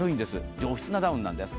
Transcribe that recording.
上質なダウンなんです。